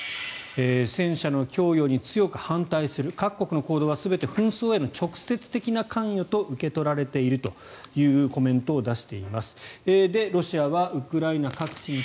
戦車の供与に強く反対する各国の行動は全て戦争への直接的な関与と受け取られているというコメントを出しています。